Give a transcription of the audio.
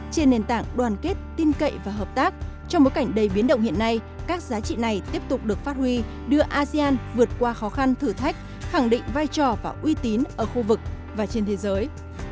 trên nền tảng đoàn kết tin cậy và hợp tác trong bối cảnh đầy biến động hiện nay các giá trị này tiếp tục được phát huy đưa asean vượt qua khó khăn thử thách khẳng định vai trò và uy tín ở khu vực và trên thế giới